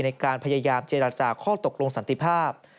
ในการพยายามเจรจาข้อตกลงสันติภาพ